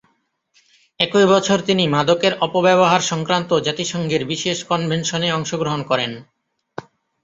একই বছর তিনি মাদকের অপব্যবহার সংক্রান্ত জাতিসংঘের বিশেষ কনভেনশনে অংশগ্রহণ করেন।